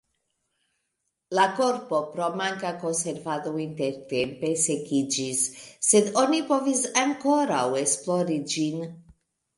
La korpo pro manka konservado intertempe sekiĝis, sed oni povis ankoraŭ esplori ĝin.